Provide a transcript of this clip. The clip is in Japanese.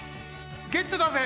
ゲットだぜ！